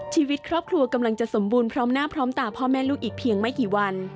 ชีวิตครอบครัวกำลังจะสมบูรณ์พร้อมหน้าพร้อมตาพ่อแม่ลูกอีกเพียงไม่กี่วัน